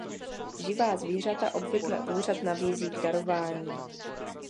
Živá zvířata obvykle úřad nabízí k darování.